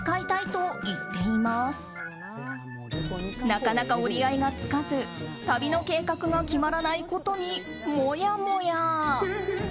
なかなか折り合いがつかず旅の計画が決まらないことにもやもや。